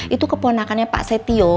itu keponakan nya pak setio